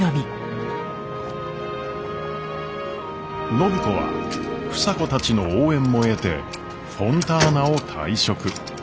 暢子は房子たちの応援も得てフォンターナを退職。